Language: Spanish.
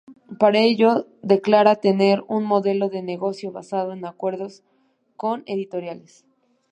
Para ello declara tener un modelo de negocio basado en acuerdos con editoriales.